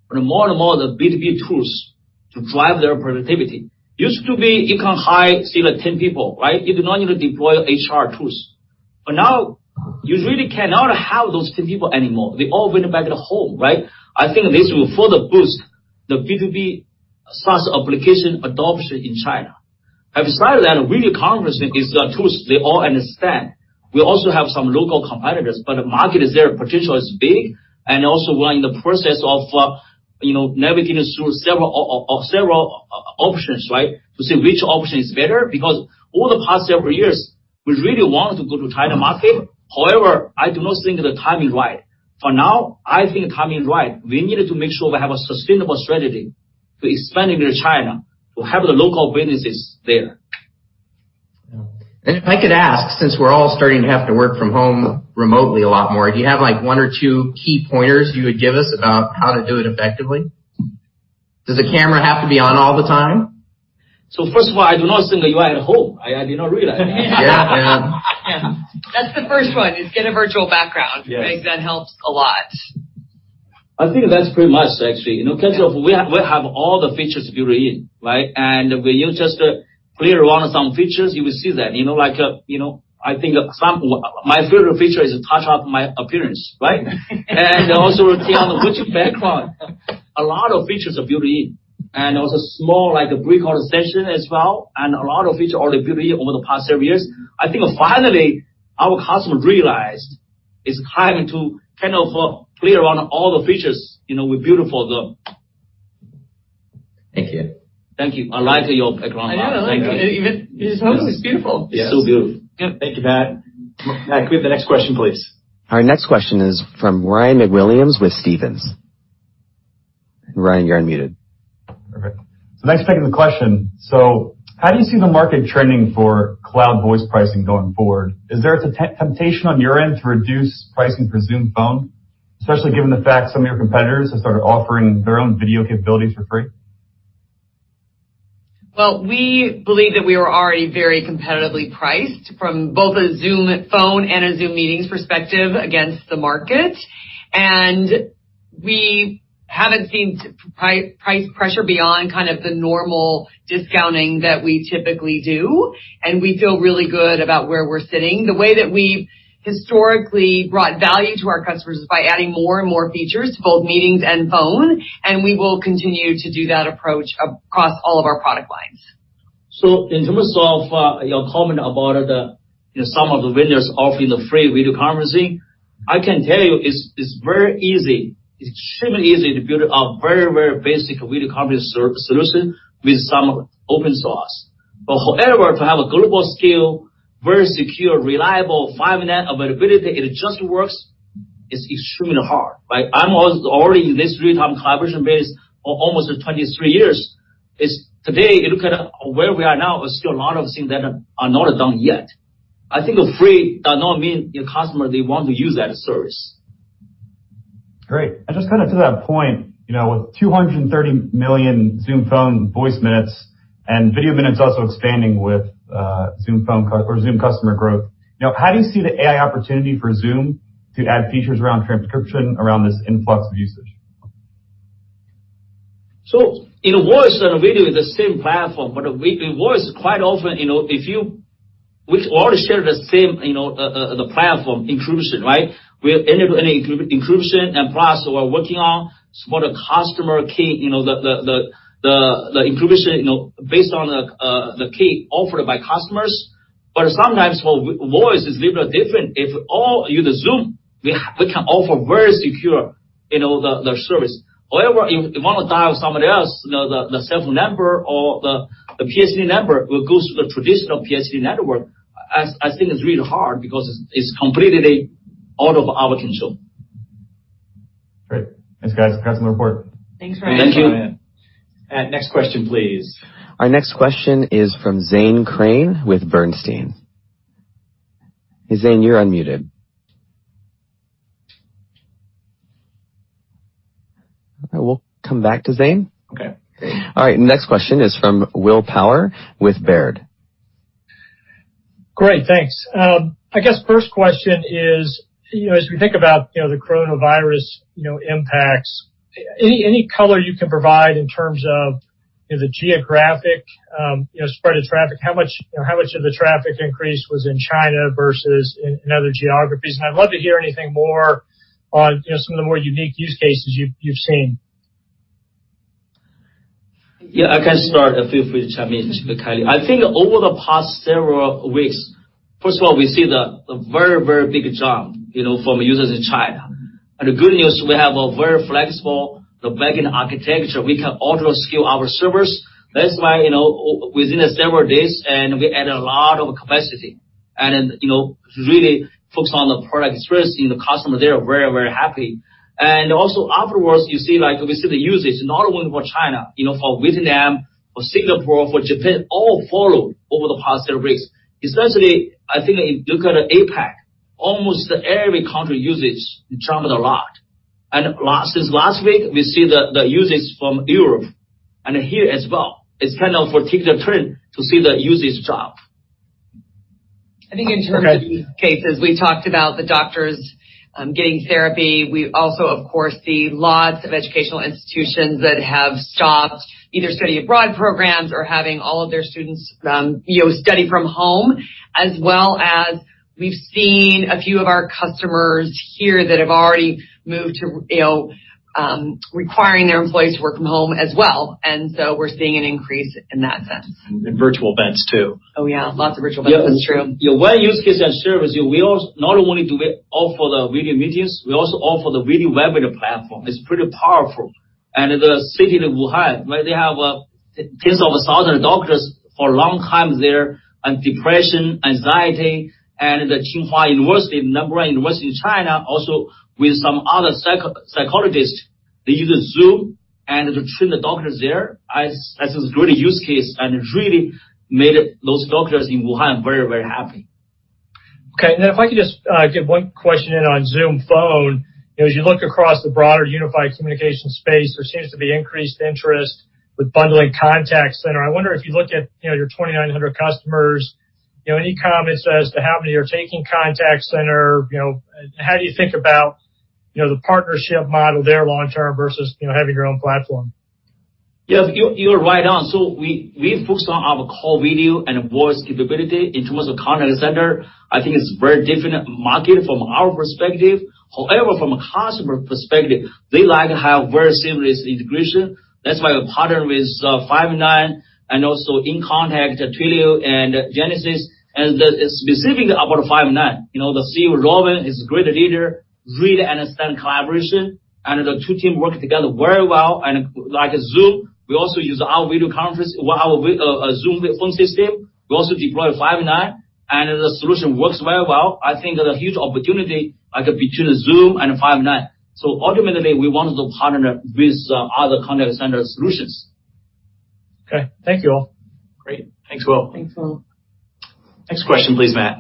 but more and more of the B2B tools to drive their productivity. Used to be you can hire 10 people, right? You do not need to deploy HR tools. Now you really cannot have those 10 people anymore. They all went back home, right? I think this will further boost the B2B SaaS application adoption in China. Aside from that, video conferencing is a tool they all understand. We also have some local competitors, but the market is there, potential is big, and also we're in the process of navigating through several options, right? To see which option is better, because all the past several years, we really wanted to go to China market. However, I do not think the time is right. For now, I think the time is right. We need to make sure we have a sustainable strategy to expand into China, to have the local businesses there. Yeah. If I could ask, since we're all starting to have to work from home remotely a lot more, do you have one or two key pointers you would give us about how to do it effectively? Does the camera have to be on all the time? First of all, I do not think that you are at home. I did not realize that. Yeah, man. Yeah. That's the first one, is get a virtual background. Yes. I think that helps a lot. I think that's pretty much, actually. We have all the features built in, right? When you just play around some features, you will see them. My favorite feature is touch up my appearance, right? Also, choose your background. A lot of features are built in, and also small, like a pre-recorded session as well, and a lot of features already built in over the past several years. I think finally our customers realized it's time to play around all the features we built for them. Thank you. Thank you. I like your background. I know. It's beautiful. It's so beautiful. Yep. Thank you, Pat. Matt, could we have the next question, please? Our next question is from Ryan MacWilliams with Stephens. Ryan, you're unmuted. Perfect. Thanks for taking the question. How do you see the market trending for cloud voice pricing going forward? Is there a temptation on your end to reduce pricing for Zoom Phone, especially given the fact some of your competitors have started offering their own video capabilities for free? Well, we believe that we are already very competitively priced from both a Zoom Phone and a Zoom Meetings perspective against the market. We haven't seen price pressure beyond kind of the normal discounting that we typically do, and we feel really good about where we're sitting. The way that we've historically brought value to our customers is by adding more and more features to both Meetings and Phone, and we will continue to do that approach across all of our product lines. In terms of your comment about some of the vendors offering the free video conferencing, I can tell you it's very easy, extremely easy to build a very, very basic video conferencing solution with some open source. However, to have a global scale, very secure, reliable, five net availability, it just works, it's extremely hard, right? I'm already in this real-time collaboration business for almost 23 years. Today, you look at where we are now, there are still a lot of things that are not done yet. I think free does not mean your customer, they want to use that service. Great. Just to that point, with 230 million Zoom Phone voice minutes and video minutes also expanding with Zoom Phone or Zoom customer growth. Now, how do you see the AI opportunity for Zoom to add features around transcription, around this influx of usage? In voice and video, the same platform, but in voice, quite often, we always share the same platform, encryption, right? We have end-to-end encryption and plus we're working on support a customer key, the encryption based on the key offered by customers. sometimes for voice, it's little different. If all use Zoom, we can offer very secure service. However, if you want to dial somebody else, the cell phone number or the PSTN number will go through the traditional PSTN network. I think it's really hard because it's completely out of our control. Great. Thanks, guys. Congrats on the report. Thanks for having us on. Thank you. Next question, please. Our next question is from Zane Tane with Bernstein. Hey, Zane, you're unmuted. All right, we'll come back to Zane. Okay. All right, next question is from Will Power with Baird. Great, thanks. I guess first question is, as we think about the coronavirus impacts, any color you can provide in terms of the geographic spread of traffic, how much of the traffic increase was in China versus in other geographies? I'd love to hear anything more on some of the more unique use cases you've seen. Yeah, I can start. Feel free to chime in, Kelly. I think over the past several weeks, first of all, we see the very, very big jump from users in China. The good news, we have a very flexible backend architecture. We can auto-scale our servers. That's why within several days, and we added a lot of capacity and really focused on the product experience, and the customer there are very, very happy. Also afterwards, we see the usage not only for China, for Vietnam, for Singapore, for Japan, all followed over the past several weeks. Especially, I think if you look at APAC, almost every country usage jumped a lot. Since last week, we see the usage from Europe and here as well. It's kind of particular trend to see the usage jump. I think in terms of use cases, we talked about the doctors getting therapy. We also, of course, see lots of educational institutions that have stopped either study abroad programs or having all of their students study from home, as well as we've seen a few of our customers here that have already moved to requiring their employees to work from home as well. we're seeing an increase in that sense. Virtual events too. Oh, yeah. Lots of virtual events. True. Yeah. One use case and service, not only do we offer the video meetings, we also offer the Video Webinar platform. It's pretty powerful. The city of Wuhan, where they have tens of thousand doctors for a long time there, and depression, anxiety, and the Tsinghua University, number one university in China, also with some other psychologists, they use Zoom and to train the doctors there. That's a great use case and really made those doctors in Wuhan very, very happy. Okay. If I could just get one question in on Zoom Phone. As you look across the broader unified communication space, there seems to be increased interest with bundling contact center. I wonder if you look at your 2,900 customers, any comments as to how many are taking contact center? How do you think about the partnership model there long term versus having your own platform? Yes, you're right on. We focused on our core video and voice capability. In terms of contact center, I think it's very different market from our perspective. However, from a customer perspective, they like to have very seamless integration. That's why we partner with Five9 and also inContact, Twilio, and Genesys. Specifically, about Five9, the CEO, Rowan, he's a great leader, really understand collaboration, and the two team work together very well. Like Zoom, we also use our video conference, our Zoom Phone system. We also deploy Five9, and the solution works very well. I think there's a huge opportunity between Zoom and Five9. Ultimately, we want to partner with other contact center solutions. Okay. Thank you all. Great. Thanks, Will. Thanks, Will. Next question, please, Matt.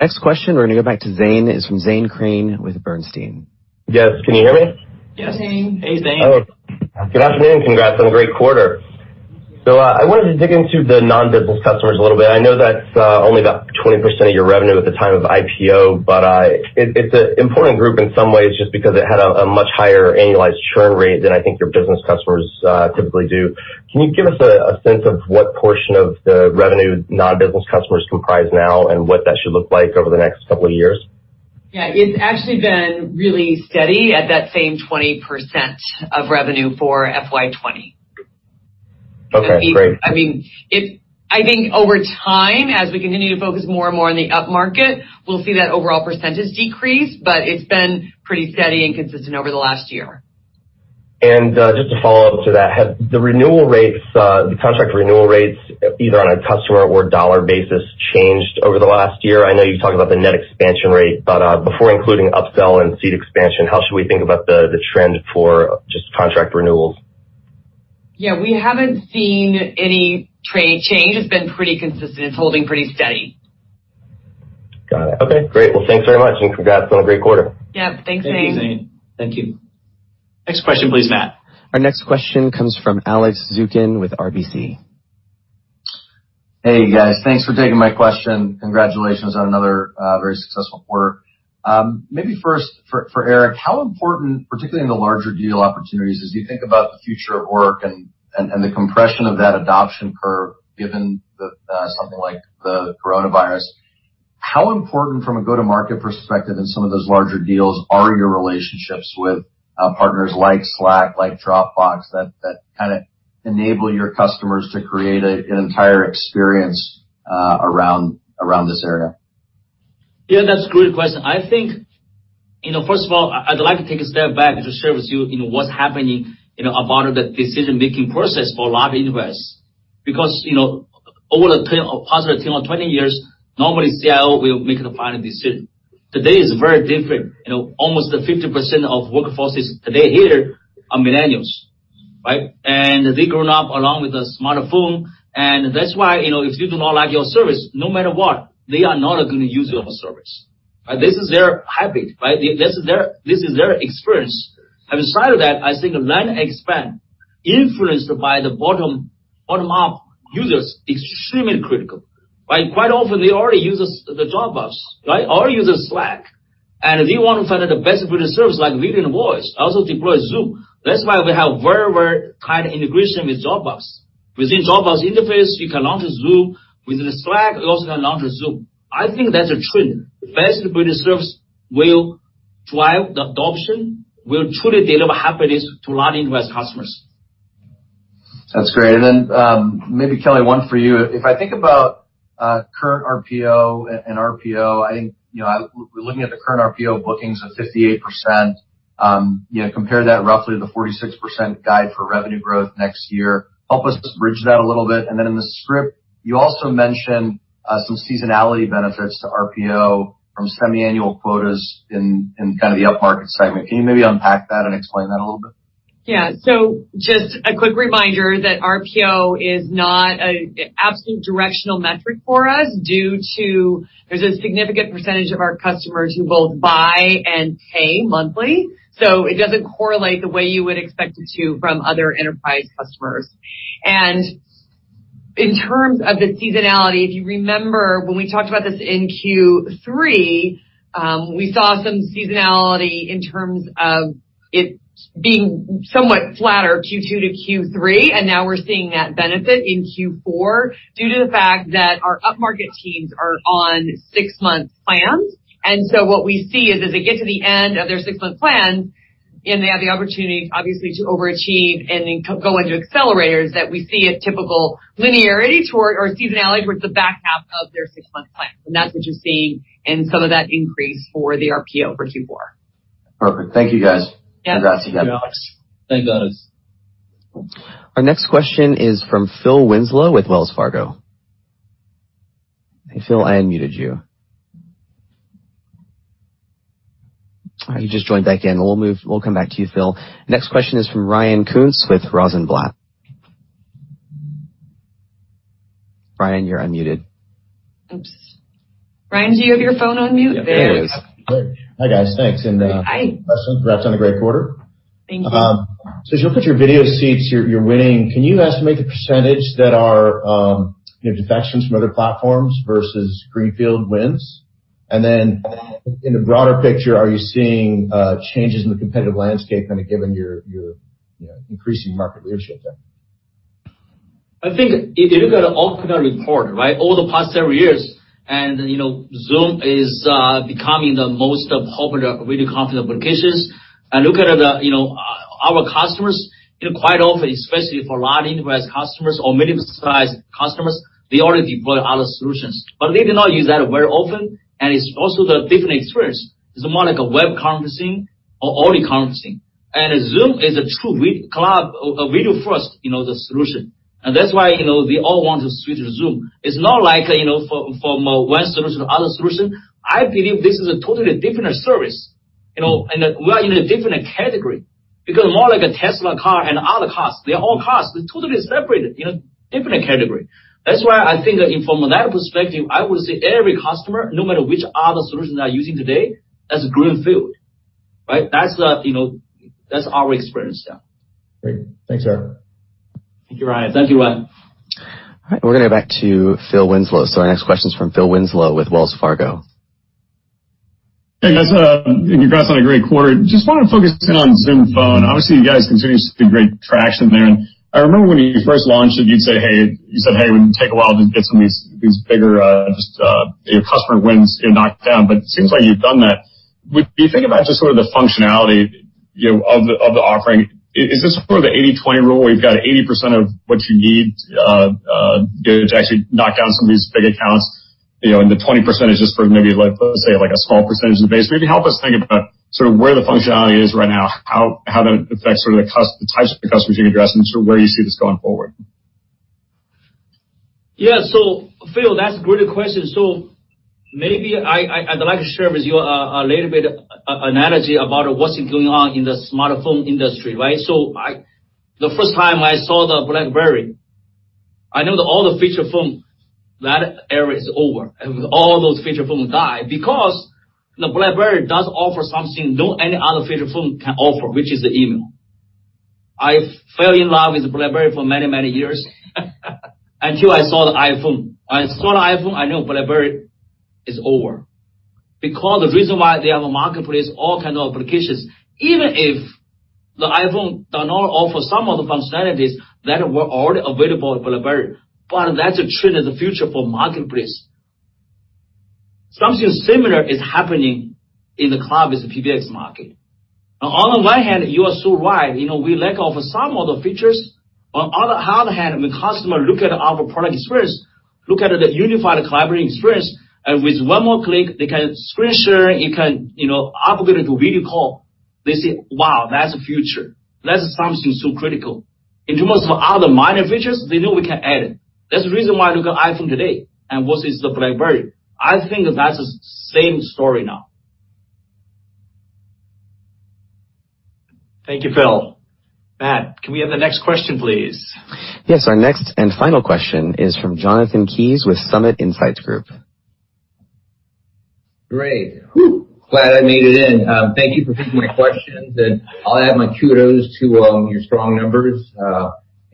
Next question, we're going to go back to Zane, is from Zane Tane with Bernstein. Yes. Can you hear me? Yes. Hey, Zane. Hey, Zane. Good afternoon. Congrats on a great quarter. I wanted to dig into the non-business customers a little bit. I know that's only about 20% of your revenue at the time of IPO, but it's an important group in some ways just because it had a much higher annualized churn rate than I think your business customers typically do. Can you give us a sense of what portion of the revenue non-business customers comprise now and what that should look like over the next couple of years? Yeah, it's actually been really steady at that same 20% of revenue for FY 2020. Okay, great. I think over time, as we continue to focus more and more on the upmarket, we'll see that overall percentage decrease, but it's been pretty steady and consistent over the last year. Just to follow up to that, have the renewal rates, the contract renewal rates, either on a customer or dollar basis changed over the last year? I know you talked about the net expansion rate, but before including upsell and seat expansion, how should we think about the trend for just contract renewals? Yeah, we haven't seen any change. It's been pretty consistent. It's holding pretty steady. Got it. Okay, great. Well, thanks very much, and congrats on a great quarter. Yep. Thanks, Zane. Thank you, Zane. Thank you. Next question, please, Matt. Our next question comes from Alex Zukin with RBC. Hey guys, thanks for taking my question. Congratulations on another very successful quarter. Maybe first, for Eric, how important, particularly in the larger deal opportunities as you think about the future of work and the compression of that adoption curve, given something like the coronavirus. How important from a go-to-market perspective in some of those larger deals are your relationships with partners like Slack, like Dropbox, that enable your customers to create an entire experience around this area? Yeah, that's a great question. I think, first of all, I'd like to take a step back to share with you what's happening about the decision-making process for a lot of enterprise. Because, over the past 10 or 20 years, normally CIO will make the final decision. Today is very different. Almost 50% of workforces today here are millennials, right? They grown up along with a smartphone, and that's why, if they do not like your service, no matter what, they are not going to use your service. This is their habit, right? This is their experience. Beside that, I think land and expand, influenced by the bottom-up users, extremely critical. Quite often they already use the Dropbox, right? use Slack. They want to find the best video service, like video and voice, also deploy Zoom. That's why we have very tight integration with Dropbox. Within Dropbox interface, you can launch Zoom. Within Slack, you also can launch Zoom. I think that's a trend. Best video service will drive the adoption, will truly deliver happiness to a lot of enterprise customers. That's great. Maybe Kelly, one for you. If I think about current RPO and RPO, looking at the current RPO bookings of 58%, compare that roughly to the 46% guide for revenue growth next year. Help us bridge that a little bit. In the script, you also mentioned some seasonality benefits to RPO from semi-annual quotas in the up-market segment. Can you maybe unpack that and explain that a little bit? Yeah. Just a quick reminder that RPO is not an absolute directional metric for us due to, there's a significant percentage of our customers who both buy and pay monthly. It doesn't correlate the way you would expect it to from other enterprise customers. In terms of the seasonality, if you remember when we talked about this in Q3, we saw some seasonality in terms of it being somewhat flatter Q2 to Q3, and now we're seeing that benefit in Q4 due to the fact that our up-market teams are on six-month plans. what we see is as they get to the end of their six-month plan, and they have the opportunity obviously to overachieve and then go into accelerators, that we see a typical linearity or seasonality towards the back half of their six-month plan. That's what you're seeing in some of that increase for the RPO for Q4. Perfect. Thank you guys. Yep. Thanks, Alex. Thanks, guys. Our next question is from Phil Winslow with Wells Fargo. Hey, Phil, I unmuted you. All right, you just joined back in. We'll come back to you, Phil. Next question is from Ryan Koontz with Rosenblatt. Ryan, you're unmuted. Oops. Ryan, do you have your phone on mute? There he is. Great. Hi, guys, thanks. Hi. Congrats on a great quarter. Thank you. As you look at your video seats, you're winning, can you estimate the percentage that are defections from other platforms versus greenfield wins? In the broader picture, are you seeing changes in the competitive landscape, given your increasing market leadership there? I think if you look at our report, right, over the past several years, and Zoom is becoming the most popular video conference applications. look at our customers, quite often, especially for a lot of enterprise customers or medium-sized customers, they already deploy other solutions. they do not use that very often, and it's also the different experience. It's more like a web conferencing or audio conferencing. Zoom is a true video-first solution. that's why they all want to switch to Zoom. It's not like from one solution to other solution. I believe this is a totally different service, and that we are in a different category. Because more like a Tesla car and other cars, they're all cars. They're totally separated, different category. That's why I think from that perspective, I would say every customer, no matter which other solutions they are using today, that's greenfield, right? That's our experience, yeah. Great. Thanks, Eric. Thank you, Ryan. Thank you, Ryan. All right, we're going to go back to Philip Winslow. Our next question's from Philip Winslow with Wells Fargo. Hey, guys. Congrats on a great quarter. Just want to focus in on Zoom Phone. Obviously, you guys continue to see great traction there, and I remember when you first launched it, you said, hey, it would take a while to get some of these bigger customer wins knocked down, but it seems like you've done that. When you think about just the functionality of the offering, is this the 80/20 rule, where you've got 80% of what you need to actually knock down some of these big accounts, and the 20% is just for maybe, let's say, a small percentage of the base? Maybe help us think about where the functionality is right now, how that affects the types of customers you can address, and where you see this going forward? Yeah. Phil, that's a great question. Maybe I'd like to share with you a little bit analogy about what's going on in the smartphone industry, right? The first time I saw the BlackBerry-I know that all the feature phone, that era is over and all those feature phones die because the BlackBerry does offer something no any other feature phone can offer, which is the email. I fell in love with BlackBerry for many, many years until I saw the iPhone. I saw the iPhone, I know BlackBerry is over because the reason why they have a marketplace, all kinds of applications. Even if the iPhone does not offer some of the functionalities that were already available at BlackBerry, but that's a trend of the future for marketplace. Something similar is happening in the cloud with the PBX market. On the one hand, you are so right, we lack of some of the features. On the other hand, when customer look at our product experience, look at the unified collaborating experience, and with one more click, they can screen share, it can upgrade to video call. They say, wow, that's the future. That's something so critical. In terms of other minor features, they know we can add it. That's the reason why you look at iPhone today and versus the BlackBerry. I think that's the same story now. Thank you, Phil. Matt, can we have the next question, please? Yes. Our next and final question is from Jonathan Kees with Summit Insights Group. Great. Woo, glad I made it in. Thank you for taking my questions, and I'll add my kudos to your strong numbers.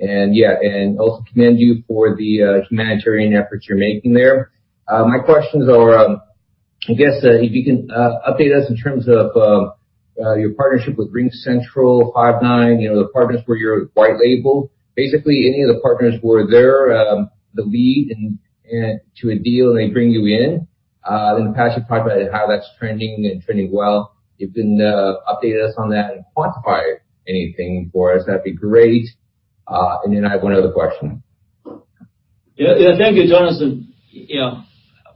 Yeah, and also commend you for the humanitarian efforts you're making there. My questions are, I guess, if you can update us in terms of your partnership with RingCentral, Five9, the partners where you're white label? Basically, any of the partners where they're the lead to a deal, and they bring you in? In the past, you've talked about how that's trending and trending well. If you can update us on that and quantify anything for us, that'd be great. I have one other question. Yeah. Thank you, Jonathan.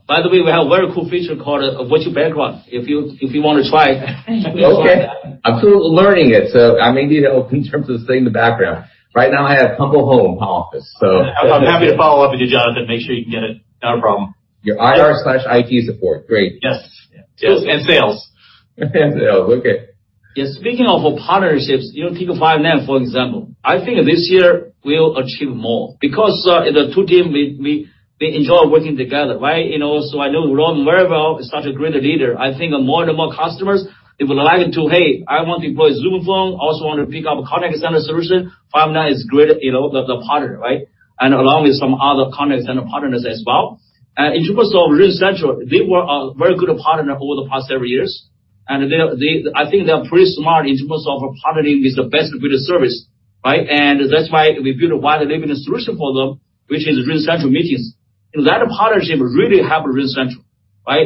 By the way, we have a very cool feature called virtual background if you want to try. Okay. I'm still learning it, so I may need help in terms of setting the background. Right now, I have humble home office. I'm happy to follow up with you, Jonathan, make sure you can get it. Not a problem. Your IR/IT support. Great. Yes. sales. Sales. Okay. Yeah, speaking of partnerships, take Five9, for example. I think this year we'll achieve more because the two team, they enjoy working together. I know Ron very well, he's such a great leader. I think more and more customers, if we like to, hey, I want to deploy Zoom Phone, also want to pick up a contact center solution, Five9 is great, the partner. Along with some other contact center partners as well. In terms of RingCentral, they were a very good partner over the past several years, and I think they're pretty smart in terms of partnering with the best video service. That's why we built a white label solution for them, which is RingCentral Meetings. That partnership really help RingCentral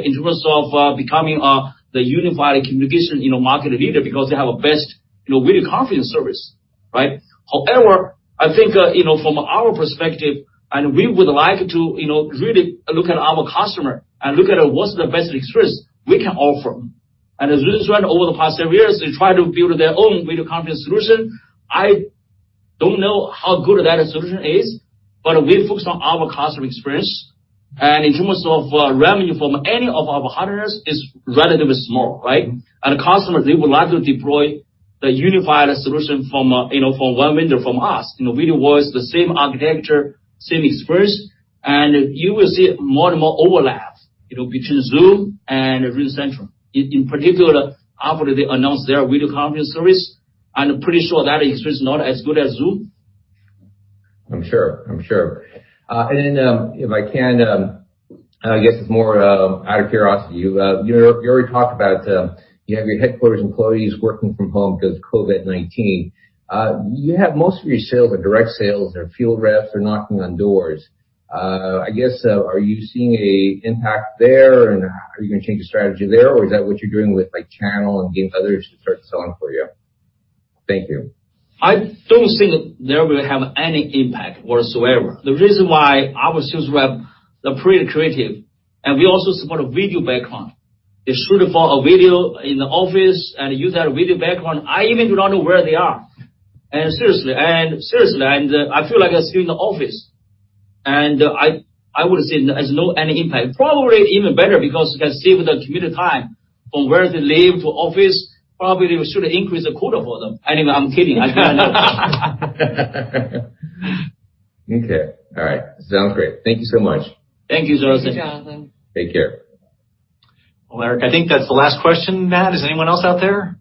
in terms of becoming the unified communication market leader because they have a best video conference service. However, I think from our perspective, and we would like to really look at our customer and look at what's the best experience we can offer. [Zoom] over the past several years, they tried to build their own video conference solution. I don't know how good that solution is, but we focus on our customer experience. In terms of revenue from any of our partners is relatively small. Customers, they would like to deploy the unified solution from one vendor, from us. Video was the same architecture, same experience, and you will see more and more overlap between Zoom and RingCentral. In particular, after they announce their video conference service, I'm pretty sure that experience not as good as Zoom. I'm sure. If I can, I guess it's more out of curiosity. You already talked about you have your headquarters employees working from home because COVID-19. You have most of your sales are direct sales. They're field reps. They're knocking on doors. I guess, are you seeing an impact there, and are you going to change your strategy there, or is that what you're doing with channel and getting others to start selling for you? Thank you. I don't think there will have any impact whatsoever. The reason why our sales rep, they're pretty creative, and we also support a video background. They shoot for a video in the office and use that video background. I even do not know where they are. Seriously, I feel like they're still in the office. I would say there's no any impact. Probably even better because you can save the commuter time from where they live to office, probably we should increase the quota for them. Anyway, I'm kidding. I don't know. Okay. All right. Sounds great. Thank you so much. Thank you, Jonathan. Thank you, Jonathan. Take care. Well, Eric, I think that's the last question. Matt, is anyone else out there?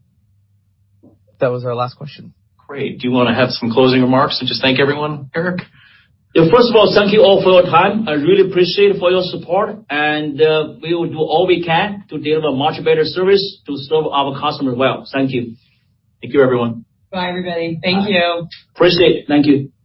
That was our last question. Great. Do you want to have some closing remarks and just thank everyone, Eric? Yeah. First of all, thank you all for your time. I really appreciate for your support, and we will do all we can to deliver much better service to serve our customers well. Thank you. Thank you, everyone. Bye, everybody. Thank you. Appreciate it. Thank you.